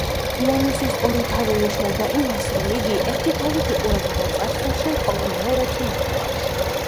იანუსის ორი თავი ნიშნავდა იმას, რომ იგი ერთი თავით იყურებოდა წარსულში, ხოლო მეორეთი მომავალში.